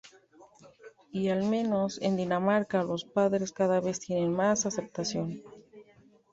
Y —al menos en Dinamarca— los padres cada vez tienen más aceptación.